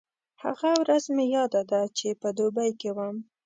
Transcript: هغه ورځ مې یاده ده چې په دوبۍ کې وم.